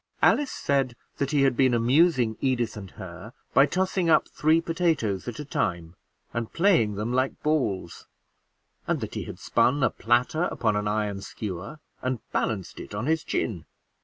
Alice said that he had been amusing Edith and her by tossing up three potatoes at a time, and playing them like balls; and that he has spun a platter upon an iron skewer and balanced it on his chin.